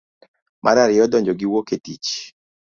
mar ariyo. donjo gi wuok e tich.